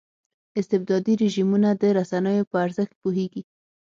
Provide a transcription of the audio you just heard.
استبدادي رژیمونه د رسنیو په ارزښت پوهېږي.